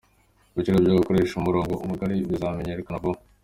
Ibiciro byo gukoresha umurongo mugari bizamenyekana vuba